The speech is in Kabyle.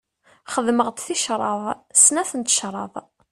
Xedmeɣ-d ticraḍ, snat n tecraḍ.